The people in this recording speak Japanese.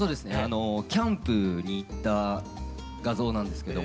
キャンプに行った画像なんですけども。